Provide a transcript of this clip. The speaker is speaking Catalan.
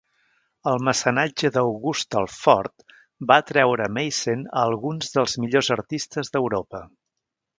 El mecenatge d'August el Fort va atreure Meissen a alguns dels millors artistes d'Europa.